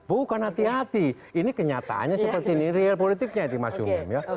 bukan hati hati ini kenyataannya seperti ini real politiknya di mas umum ya